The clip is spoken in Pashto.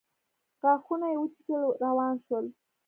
غاښونه يې وچيچل روان شو.